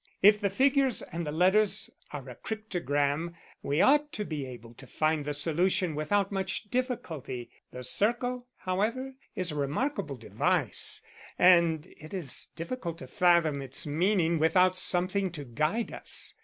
If the figures and the letters are a cryptogram we ought to be able to find the solution without much difficulty. The circle, however, is a remarkable device, and it is difficult to fathom its meaning without something to guide us.